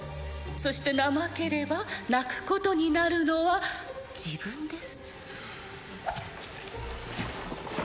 そして怠ければ泣くことになるのは自分です